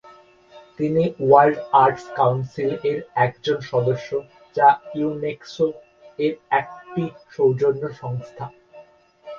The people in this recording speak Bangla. তিনি 'ওয়াল্ড আর্টস কাউন্সিল'-এর একজন সদস্য, যা ইউনেস্কো-এর একটি সৌজন্য সংস্থা।